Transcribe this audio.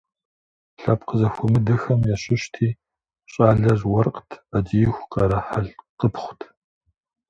Лъэпкъ зэхуэмыдэхэм ящыщти – щӏалэр уэркът, ӏэдииху къарэхьэлкъыпхъут.